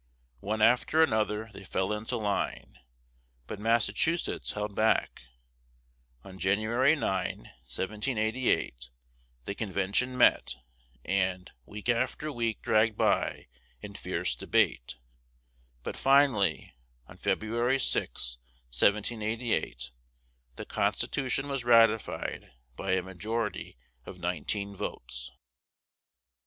One after another they fell into line, but Massachusetts held back. On January 9, 1788, the convention met, and week after week dragged by in fierce debate; but finally, on February 6, 1788, the Constitution was ratified by a majority of nineteen votes.